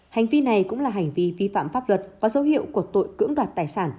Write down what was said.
hành vi này cũng là hành vi vi phạm pháp luật có dấu hiệu của tội cưỡng đoạt tài sản